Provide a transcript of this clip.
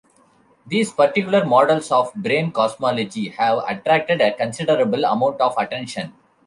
These particular models of brane cosmology have attracted a considerable amount of attention.